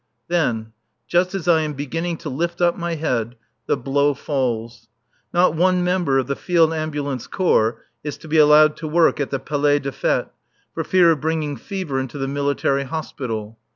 Then, just as I am beginning to lift up my head, the blow falls. Not one member of the Field Ambulance Corps is to be allowed to work at the Palais des Fêtes, for fear of bringing fever into the Military Hospital.